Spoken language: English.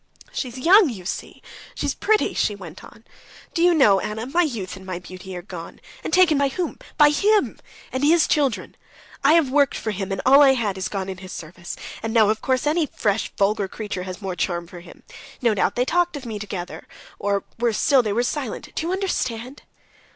"She's young, you see, she's pretty," she went on. "Do you know, Anna, my youth and my beauty are gone, taken by whom? By him and his children. I have worked for him, and all I had has gone in his service, and now of course any fresh, vulgar creature has more charm for him. No doubt they talked of me together, or, worse still, they were silent. Do you understand?"